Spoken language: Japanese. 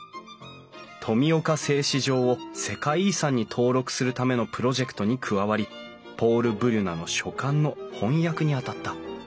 富岡製糸場を世界遺産に登録するためのプロジェクトに加わりポール・ブリュナの書簡の翻訳に当たった。